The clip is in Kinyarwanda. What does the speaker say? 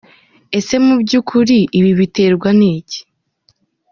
Ese mu byukuri ibi biterwa n’iki?.